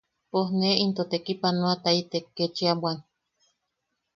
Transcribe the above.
Pos ne into tekipanoataitek ketchia bwan.